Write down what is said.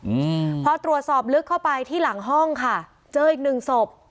อืมพอตรวจสอบลึกเข้าไปที่หลังห้องค่ะเจออีกหนึ่งศพ